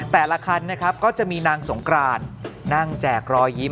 แต่ละคันนะครับก็จะมีนางสงกรานนั่งแจกรอยยิ้ม